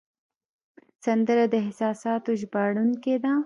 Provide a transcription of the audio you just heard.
سندره د احساساتو ژباړونکی ده